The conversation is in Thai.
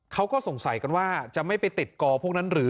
เขาก็สงสัยกันว่าจะไม่ไปติดกอพวกนั้นหรือ